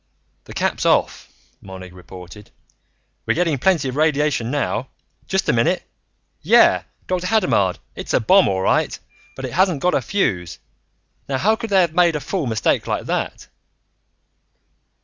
"The cap's off," Monig reported. "We're getting plenty of radiation now. Just a minute Yeah. Dr. Hadamard, it's a bomb, all right. But it hasn't got a fuse. Now how could they have made a fool mistake like that?"